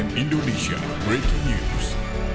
cnn indonesia breaking news